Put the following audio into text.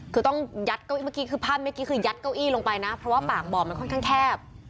คือต้องยัดเก้าอี้เมื่อกี้คือภาพเมื่อกี้คือยัดเก้าอี้ลงไปนะเพราะว่าปากบ่อมันค่อนข้างแคบ